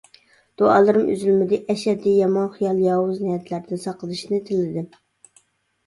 دۇئالىرىم ئۈزۈلمىدى، ئەشەددىي يامان خىيال، ياۋۇز نىيەتلەردىن ساقلىنىشنى تىلىدىم.